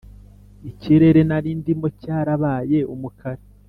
ikirere narindimo cyarabaye umukara